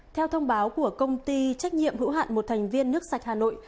theo thông báo của công ty trách nhiệm hữu hạn một thành viên nước sạch hà nội